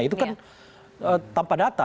itu kan tanpa data